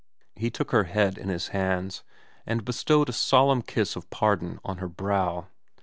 He took her head in his hands, and bestowed a solemn kiss of pardon on her brow.